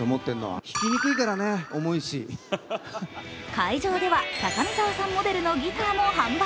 会場では高見沢さんモデルのギターも販売。